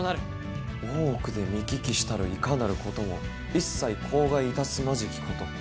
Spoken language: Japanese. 大奥で見聞きしたるいかなることも一切口外いたすまじきこと。